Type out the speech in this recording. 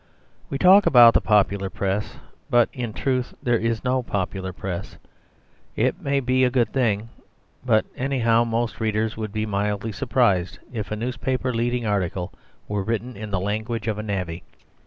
We talk about the popular Press; but in truth there is no popular Press. It may be a good thing; but, anyhow, most readers would be mildly surprised if a newspaper leading article were written in the language of a navvy.